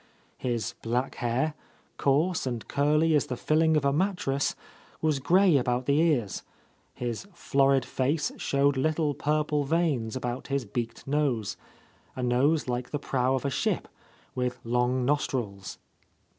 His black hair, coarse and curly as the filling of a mattress, was grey about the ears, his florid face showed little purple veins about his beaked nose, — a nose like the prow of a ship, with long nostrils.